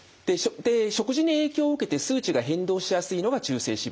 食事に影響を受けて数値が変動しやすいのが中性脂肪。